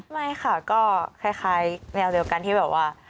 ไม่ค่ะก็คล้ายแนวเดียวกันที่แบบว่า